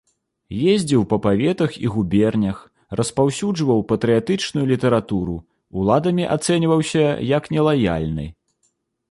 Ездзіў па паветах і губернях, распаўсюджваў патрыятычную літаратуру, уладамі ацэньваўся як нелаяльны.